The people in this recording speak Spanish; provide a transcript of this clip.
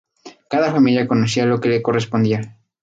Cada familia conocía la que le correspondía.